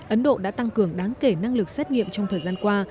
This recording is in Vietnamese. ấn độ đã tăng cường đáng kể năng lực xét nghiệm trong thời gian qua